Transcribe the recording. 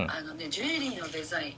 ジュエリーのデザイン？